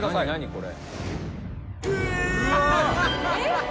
これ。